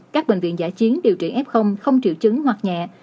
các bệnh viện giả chiến điều trị f không triệu chứng hoặc nhẹ